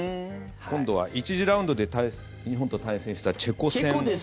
今度は１次ラウンドで日本と対戦したチェコ戦。